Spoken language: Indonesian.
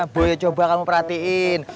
boyok coba kamu perhatiin